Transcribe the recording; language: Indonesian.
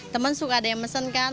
temen suka ada yang mesen kan